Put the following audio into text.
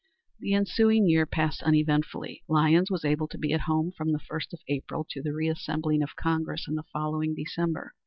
The ensuing year passed uneventfully. Lyons was able to be at home from the first of April to the reassembling of Congress in the following December.